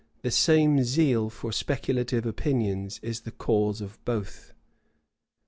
The same zeal for speculative opinions is the cause of both.